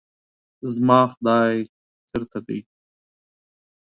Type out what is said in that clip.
زما خداے چرته دے؟